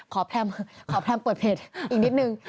ขอแพร่มขอแพร่มเปิดเพจอีกนิดหนึ่ง